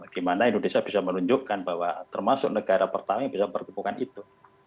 gimana indonesia bisa menunjukkan bahwa termasuk negara pertama yang bisa mempertemukan itu